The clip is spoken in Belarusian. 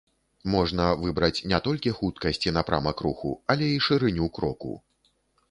Можна выбраць не толькі хуткасць і напрамак руху, але і шырыню кроку.